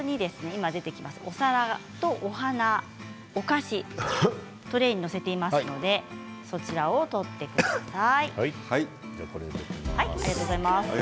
お皿とお花、お菓子トレーに載せていますのでそちらを取ってください。